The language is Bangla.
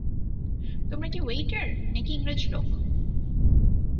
তোমরা কি ওয়েইটার নাকি ইংরেজ লোক?